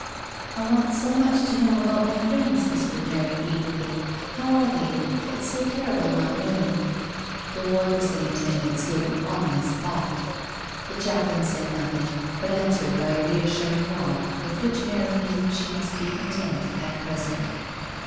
'^" I want so much to know about my friends," whispered Mary eagerly. " How are they? It's so ter rible not knowing." The wardress in attendance gave an ominous cough. The chaplain said nothing, but answered by a re assuring nod with which Mary knew she must be content at present.